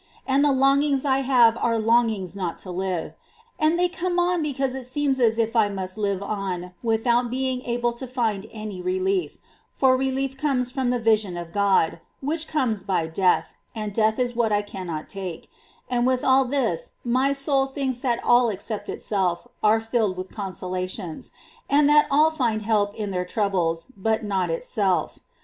And the longings I have are longings not to live ; and they come on because it seems as if I must live on without being able to find any relief, for relief comes from the vision of God, which comes by death, and death is what I cannot take ; and with all this my soul thinks that all except itself are filled with consolations, and that all find help in their troubles, but not itself.